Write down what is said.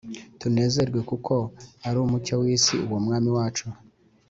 Tunezerwe kuko ari umcyo w’isi uwo mwami wacu